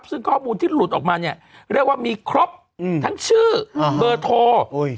ซึ่งข้อมูลที่หลุดออกมาเนี่ยเรียกว่ามีครบทั้งชื่อเบอร์โทร